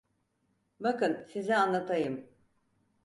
Bakın size anlatayım…